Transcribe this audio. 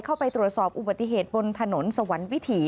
เข้าไปตรวจสอบอุบัติเหตุบนถนนสวรรค์วิถี